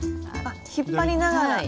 あっ引っ張りながら。